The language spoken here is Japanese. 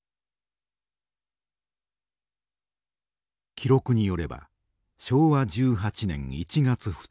記録によれば昭和１８年１月２日